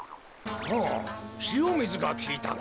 ふむしおみずがきいたか。